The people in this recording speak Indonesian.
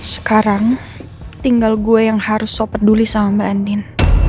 sekarang tinggal gue yang harus so peduli sama mbak andin